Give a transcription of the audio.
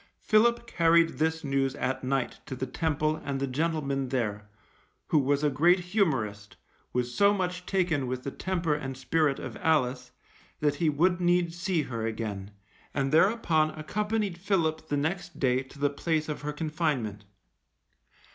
Philip carried this news at night to the Temple and the gentleman there, who was a great humorist, was so much taken with the temper and spirit of Alice, that he would needs see her again, and thereupon accompanied Philip the next day to the place of her confinement.